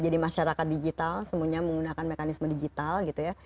jadi masyarakat digital semuanya menggunakan mekanisme digital gitu ya